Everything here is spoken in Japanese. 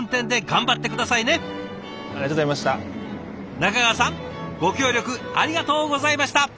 中川さんご協力ありがとうございました。